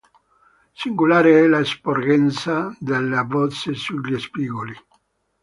Singolare è la sporgenza delle bozze sugli spigoli.